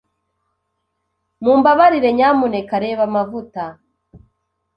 Mumbabarire, nyamuneka reba amavuta.